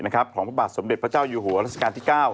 ของพระบาทสมเด็จพระเจ้าอยู่หัวราชการที่๙